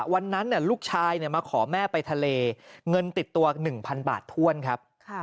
วันนั้นลูกชายมาขอแม่ไปทะเลเงินติดตัว๑๐๐๐บาทถ้วนครับ